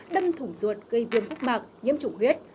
đâm thủng ruột gây viêm phúc mạc nhiễm chủng huyết